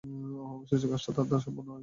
অবশেষে কাজটা তার দ্বারা সম্পন্ন হয়।